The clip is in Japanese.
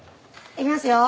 いきますよ。